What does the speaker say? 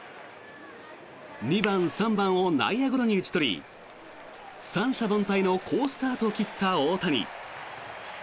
２番、３番を内野ゴロに打ち取り三者凡退の好スタートを切った大谷。